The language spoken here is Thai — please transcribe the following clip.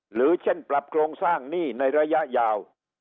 หรือเช่นปรับโครงสร้างหนี้ในระยะยาว